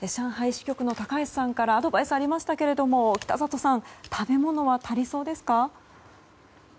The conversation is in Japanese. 支局の高橋さんからアドバイスがありましたが北里さん食べ物は足りそうですか？